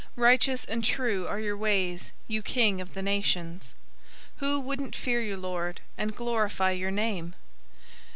Righteous and true are your ways, you King of the nations. 015:004 Who wouldn't fear you, Lord, and glorify your name?